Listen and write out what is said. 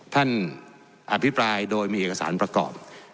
อภิปรายโดยมีเอกสารประกอบ